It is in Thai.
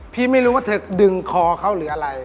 พี่ไม่รู้ว่าเธอดึงคอเขาหรืออะไร